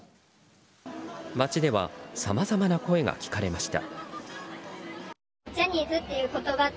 街ではさまざまな声が聞かれました。